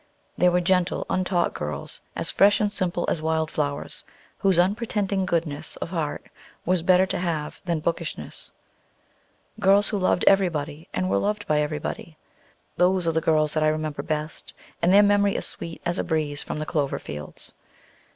There were gentle, untaught girls, as fresh and simple as wild flowers, whose unpretending goodness of heart was better to have than bookishness; girls who loved everybody, and were loved by everybody. Those are the girls that I remember best, and their memory is sweet as a breeze from the clover fields.